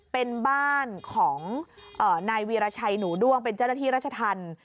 เป็นบ้านของนายวีรชัยหนูด้วงเป็นเจ้าหน้าที่ราชธรรม